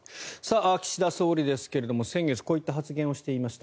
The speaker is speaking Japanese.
岸田総理ですが先月こういった発言をしていました。